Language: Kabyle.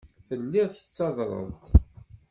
Telliḍ tettadreḍ-d.